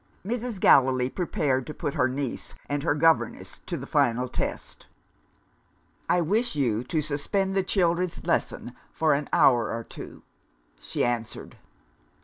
Mrs. Gallilee prepared to put her niece and her governess to the final test. "I wish you to suspend the children's lesson for an hour or two," she answered.